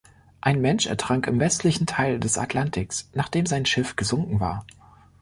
Ein Mensch ertrank im westlichen Teil des Atlantiks, nachdem sein Schiff gesunken war.